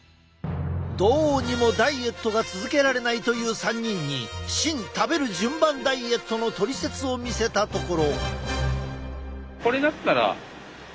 どうにもダイエットが続けられないという３人にシン食べる順番ダイエットのトリセツを見せたところ。